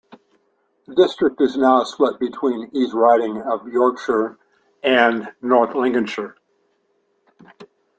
The district is now split between the East Riding of Yorkshire and North Lincolnshire.